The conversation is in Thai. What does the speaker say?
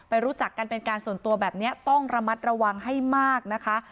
รู้จักกันเป็นการส่วนตัวแบบนี้ต้องระมัดระวังให้มากนะคะ